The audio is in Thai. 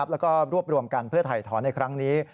แล้วก็รวบรวมกันเพื่อถ่ายถอนในครั้งนี้